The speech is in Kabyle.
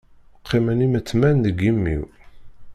Qqimen imetman deg imi-w.